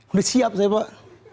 udah siap saya pak